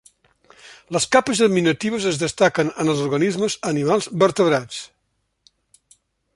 Les capes germinatives es destaquen en els organismes animals vertebrats.